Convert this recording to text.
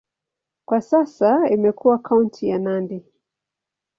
Kwa sasa imekuwa kaunti ya Nandi.